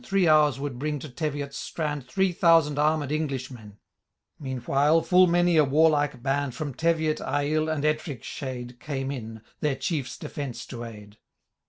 Three hours would bring to Teviot'd strand Three thousand armed Englishmen — Meanwhile, full many a warlike band. From Teviot, Aill, and Ettrick shade. Came in, their Chiers defence to aid.